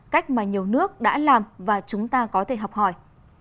cách mà nhiều nước đã làm và chúng ta có thể học hỏi